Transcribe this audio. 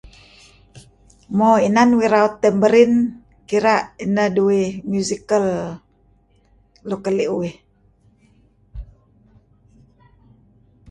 Moo inan uih raut, Tamborine kira' neh duih musical luk keli' uih.